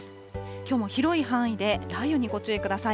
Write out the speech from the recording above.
きょうも広い範囲で雷雨にご注意ください。